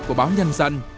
của báo nhân dân